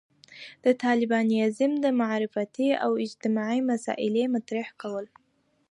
د طالبانيزم د معرفتي او اجتماعي مسألې مطرح کول.